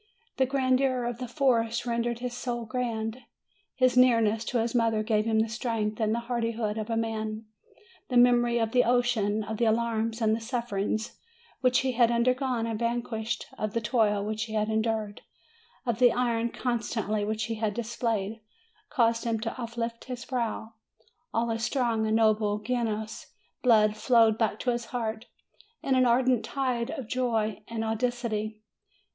The grandeur of the forest rendered his soul grand ; his nearness to his mother gave him the strength and the hardihood of a man; the memory of the ocean, of the alarms and the sufferings which he had undergone and vanquished, of the toil which he had endured, of the iron constancy which he had displayed, caused him to uplift his brow. All his strong and noble Genoese blood flowed back to his heart in an ardent tide of joy and audacity.